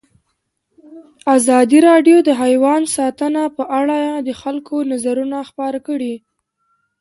ازادي راډیو د حیوان ساتنه په اړه د خلکو نظرونه خپاره کړي.